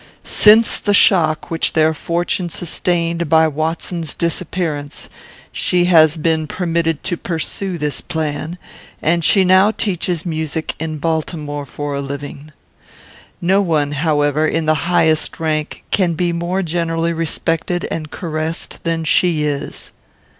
Since the shock which their fortune sustained by Watson's disappearance, she has been permitted to pursue this plan, and she now teaches music in Baltimore for a living. No one, however, in the highest rank, can be more generally respected and caressed than she is."